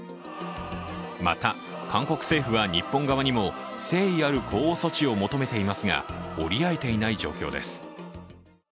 また、韓国政府は日本側にも誠意ある呼応措置を求めていますが折り合えていない状況です。